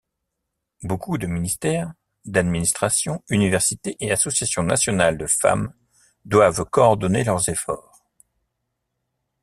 Beaucoup de ministères, administrations, universités et associations nationales de femmes doivent coordonner leurs efforts.